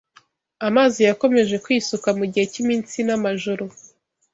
Amazi yakomeje kwisuka mu gihe cy’iminsi n’amajoro